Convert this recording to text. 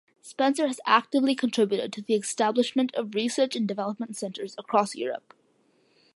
Spencer has actively contributed to the establishment of research and development centers across Europe.